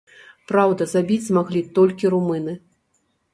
Праўда, забіць змаглі толькі румыны.